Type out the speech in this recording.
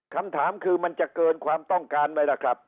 คำถามคือมันจะเกินความต้องการไหมล่ะครับ